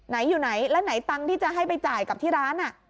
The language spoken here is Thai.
ไหนอยู่ไหนแล้วไหนตังค์ที่จะให้ไปจ่ายกับที่ร้าน